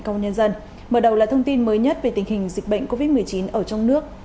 công an nhân dân mở đầu là thông tin mới nhất về tình hình dịch bệnh covid một mươi chín ở trong nước